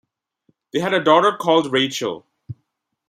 They had a daughter called Rachel.